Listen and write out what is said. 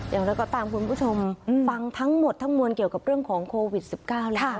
อย่างไรก็ตามคุณผู้ชมฟังทั้งหมดทั้งมวลเกี่ยวกับเรื่องของโควิด๑๙แล้ว